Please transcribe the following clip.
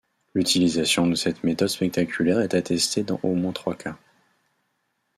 L'utilisation de cette méthode spectaculaire est attestée dans au moins trois cas.